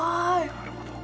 なるほど。